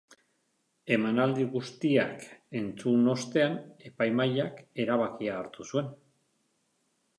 Emanaldi guztiak entzun ostean, epaimahaiak erabakia hartu zuen.